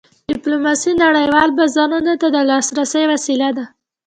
ډیپلوماسي نړیوال بازار ته د لاسرسي وسیله ده.